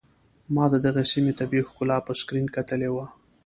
ما د دغې سيمې طبيعي ښکلا په سکرين کتلې وه.